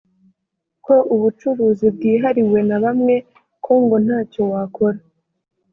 ko ubucuruzi bwihariwe na bamwe ko ngo ntacyo wakora